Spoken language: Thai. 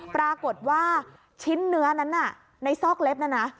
ปรากฏว่าชิ้นเนื้อนั้นน่ะในซอกเล็บนะนะ